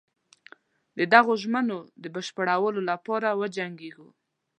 د دغو ژمنو د بشپړولو لپاره وجنګیږو.